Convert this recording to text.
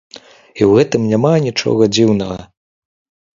І ў гэтым няма анічога дзіўнага.